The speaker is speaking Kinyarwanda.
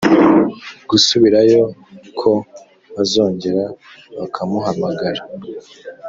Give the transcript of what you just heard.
gusubirayo ko bazongera bakamuhamagara